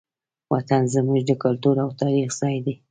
وطن زموږ د کلتور او تاریخ ځای دی.